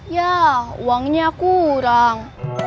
ya uangnya kurang